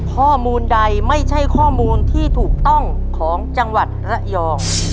ข้อมูลใดไม่ใช่ข้อมูลที่ถูกต้องของจังหวัดระยอง